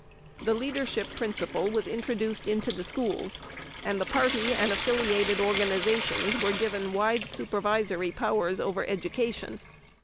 The Leadership Principle was introduced into the schools and the Party and affiliated organizations were given wide supervisory powers over education.